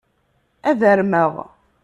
Ad armeɣ.